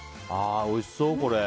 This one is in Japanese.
おいしそう、これ。